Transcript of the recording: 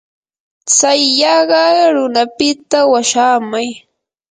tsay yaqa runapita washaamay.